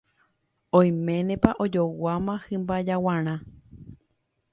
Oiménepa ojoguáma hymba jaguarã.